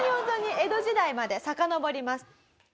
江戸時代までさかのぼります。